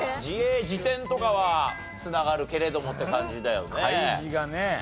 自営自転とかは繋がるけれどもって感じだよね。